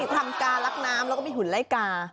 ทำกาลักน้ำแล้วก็มีหุ่นไล่กา